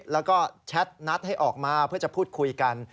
แล้วก็แชทนัดให้ออกมาเพื่อจะพูดคุยกัน